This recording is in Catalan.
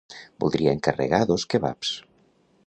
Voldria encarregar dos kebabs.